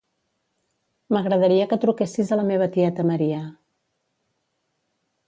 M'agradaria que truquessis a la meva tieta Maria.